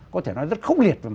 có thể nói rất khốc liệt